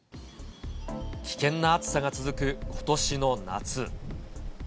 危険な暑さが続くことしの夏。